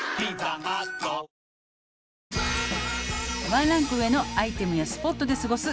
「ワンランク上のアイテムやスポットで過ごす」